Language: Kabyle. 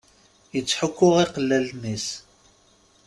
Ittḥukku iqellalen-is.